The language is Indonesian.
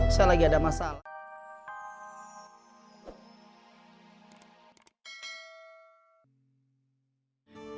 saya lagi ada masalah